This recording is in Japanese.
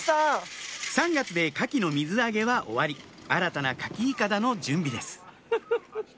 ３月でカキの水揚げは終わり新たなカキいかだの準備です